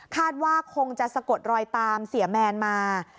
ว่าคงจะสะกดรอยตามเสียแมนมา